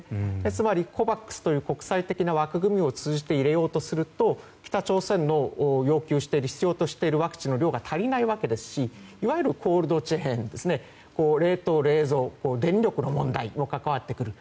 つまりＣＯＶＡＸという国際的な枠組みを通じて入れようとすると北朝鮮の要求している必要としているワクチンの量が足りないわけですしいわゆるコールドチェーン冷凍・冷蔵電力の問題も関わってくる。